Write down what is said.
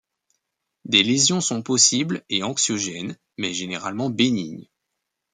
Des lésions sont possibles et anxiogènes, mais généralement bénignes.